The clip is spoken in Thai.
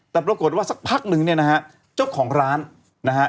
แต่ปรากฏว่าสักพักนึงเนี่ยนะฮะเจ้าของร้านนะฮะ